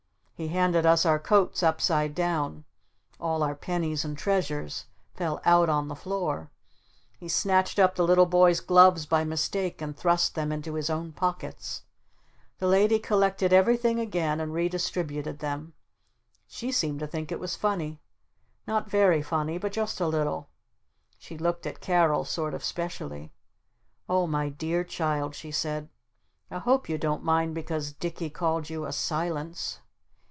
He handed us our coats upside down. All our pennies and treasures fell out on the floor. He snatched up the little boy's gloves by mistake and thrust them into his own pockets. The Lady collected everything again and re distributed them. She seemed to think it was funny. Not very funny but just a little. She looked at Carol sort of specially. "Oh my dear Child," she said. "I hope you didn't mind because Dicky called you a 'Silence'?"